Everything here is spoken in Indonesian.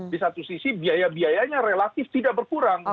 di satu sisi biaya biayanya relatif tidak berkurang